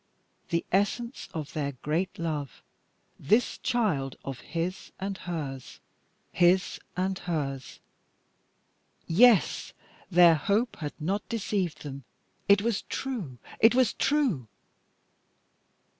The essence of their great love this child of his and hers. His and hers! Yes, their hope had not deceived them. It was true! It was true!